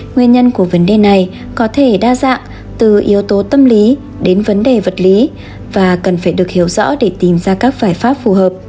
nguyên nhân của vấn đề này có thể đa dạng từ yếu tố tâm lý đến vấn đề vật lý và cần phải được hiểu rõ để tìm ra các giải pháp phù hợp